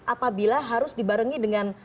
apabila harus dibarengi dengan